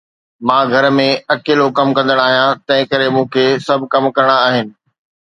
مان گهر ۾ اڪيلو ڪم ڪندڙ آهيان، تنهنڪري مون کي سڀ ڪم ڪرڻا آهن.